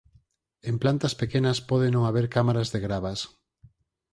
En plantas pequenas pode non haber cámaras de gravas.